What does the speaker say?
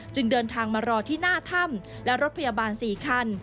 เดินทางมารอที่หน้าถ้ำและรถพยาบาล๔คัน